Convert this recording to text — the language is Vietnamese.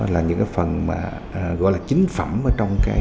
là những phần mà gọi là chính phẩm ở trong